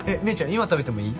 今食べてもいい？